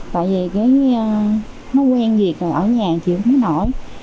tại vì nó quen việc rồi ở nhà chịu không nổi